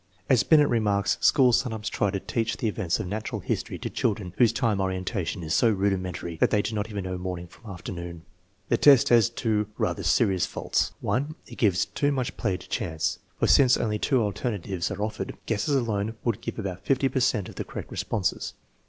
As Binet remarks, schools sometimes try to teach the events of national history to children whose time orientation is so rudimentary that they do not even know morning from afternoon ! The test has two rather serious faults: (1) It gives too nuic&play to chance, for since only two alternatives are offeredTguesses alone would give about fifty per cent of correct responses.